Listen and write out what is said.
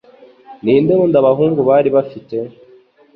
Ninde wundi abahungu bari bafite?